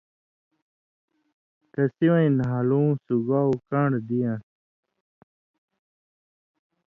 کسی وَیں نھالُوں سُگاؤ کان٘ڑ دِیان٘س۔